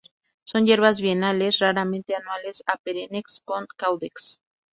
Son hierbas, bienales, raramente anuales o perennes con caudex.